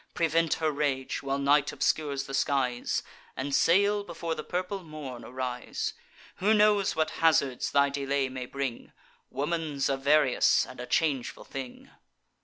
Prevent her rage, while night obscures the skies, And sail before the purple morn arise. Who knows what hazards thy delay may bring? Woman's a various and a changeful thing."